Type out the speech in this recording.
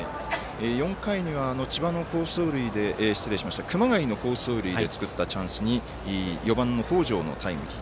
４回には熊谷の好走塁を作った際に４番の北條のタイムリー。